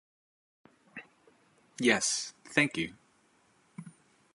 Yes, thank you.